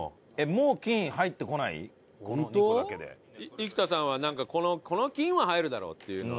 生田さんはなんかこの金は入るだろうっていうのは？